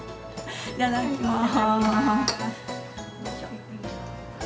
いただきます。